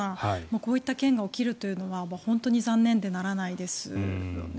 こういった件が起きるというのは残念でならないですよね。